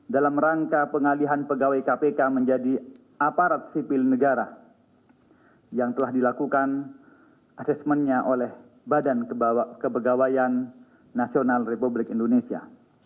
dalam rangka pengalihan pegawai kpk menjadi aparat sipil negara yang telah dilakukan asesmennya oleh badan kepegawaian nasional republik indonesia